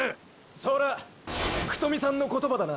・そら福富さんの言葉だな。